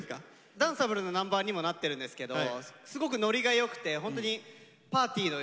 ダンサブルなナンバーにもなってるんですけどすごくノリがよくてホントにパーティーのような曲になっています。